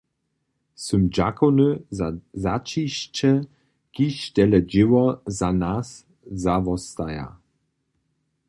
Sym dźakowny za zaćišće, kiž tele dźěło w nas zawostaja.